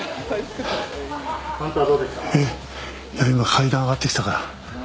今、階段上がってきたから。